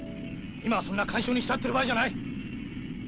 今はそんな感傷に浸ってる場合じゃない。